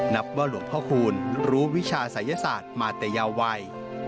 นับว่าหลวงพ่อคูณรู้วิชาศัยศาสตร์มาแต่ยาววัย